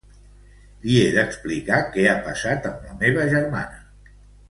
Li he d'explicar què ha passat amb la meva germana.